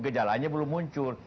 gejalanya belum muncul